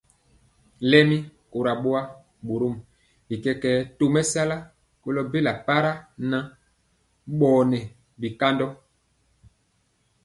Lɛmi kora boa, borom bi kɛkɛɛ tomesala kolo bela para nan bɔnɛɛ bikandɔ.